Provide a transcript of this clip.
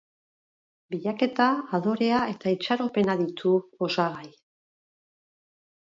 Bilaketa, adorea eta itxaropena ditu osagai.